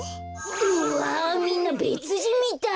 うわみんなべつじんみたい。